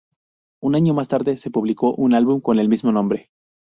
Un año más tarde, se publicó un álbum con el mismo nombre.